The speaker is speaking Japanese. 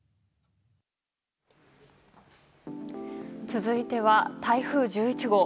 続いては台風１１号。